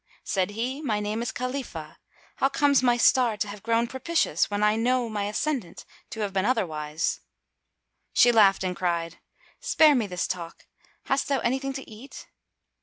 Said he, "My name is Khalifah. How comes my star to have grown propitious, when I know my ascendant to have been otherwise?" She laughed and cried, "Spare me this talk! Hast thou anything to eat?"